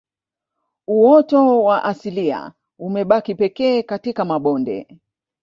Uoto wa asilia umebaki pekee katika mabonde